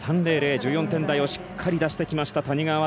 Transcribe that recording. １４点台をしっかり出してきました谷川航。